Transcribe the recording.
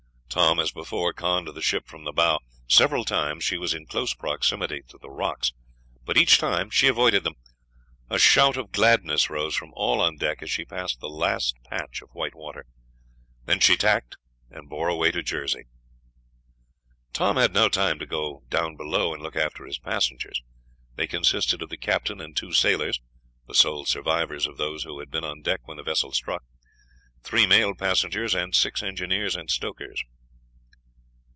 Tom, as before, conned the ship from the bow. Several times she was in close proximity to the rocks, but each time she avoided them. A shout of gladness rose from all on deck as she passed the last patch of white water. Then she tacked and bore away for Jersey. Tom had now time to go down below and look after his passengers. They consisted of the captain and two sailors the sole survivors of those who had been on deck when the vessel struck three male passengers, and six engineers and stokers.